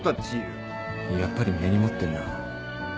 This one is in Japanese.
やっぱり根に持ってんな。